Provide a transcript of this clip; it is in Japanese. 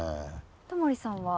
タモリさんは？